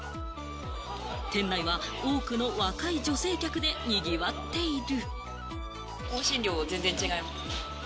店内は多くの若い女性客で賑わっている。